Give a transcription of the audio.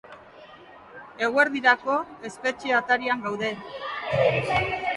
Eguerdirako espetxe atarian gaude.